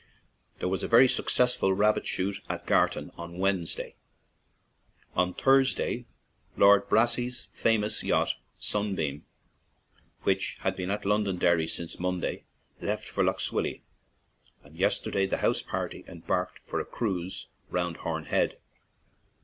There was a very successful rabbit shoot at Gartan on Wednesday. On Thursday, Lord Brassey's famous 34 DUNFANAGHY TO FALLCARRAGH yacht Sunbeam, which has been at Londonderry since Monday, left for Lough Swilly, and yesterday the house party embarked for a cruise round Horn Head.